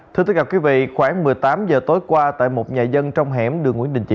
thưa tất cả quý vị khoảng một mươi tám giờ tối qua tại một nhà dân trong hẻm đường nguyễn đình